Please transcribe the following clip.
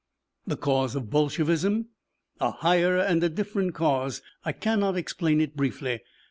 "The cause of Bolshevism?" "A higher and a different cause. I cannot explain it briefly.